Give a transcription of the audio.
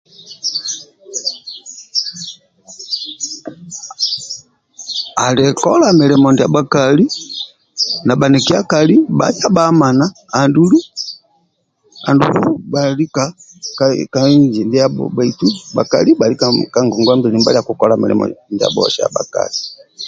Ali kola mulimo ndia bhakali na bhanikiekali bha amana andulu bhalika ka inji ndiabho bhaitu bhakali bhalika ka ngongwa mbili ndiabho nibhalia kikola mulimo ndiabho ndia bhakali